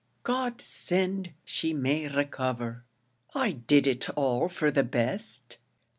"God send she may recover! I did it all for the best.